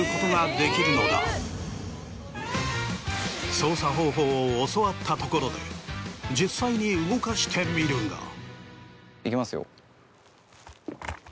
操作方法を教わったところで実際に動かしてみるが。いきますよ。